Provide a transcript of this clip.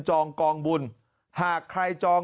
องกองบุญหากใครจอง